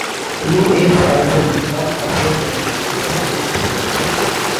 team ایک سال سے بھی کم عرصے میں تشکیل دی گئی تھی